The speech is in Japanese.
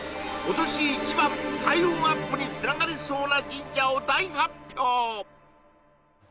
今年一番開運アップにつながりそうな神社を大発表！